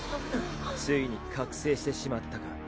ついに覚醒してしまったか。